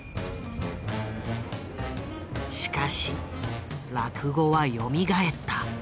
しかし落語はよみがえった。